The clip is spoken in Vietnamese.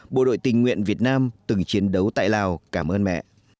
bộ đội tình nguyện việt nam từng chiến đấu tại lào cảm ơn mẹ